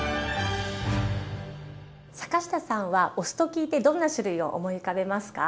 坂下さんはお酢と聞いてどんな種類を思い浮かべますか？